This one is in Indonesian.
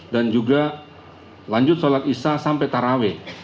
dan juga lanjut sholat isya sampai taraweh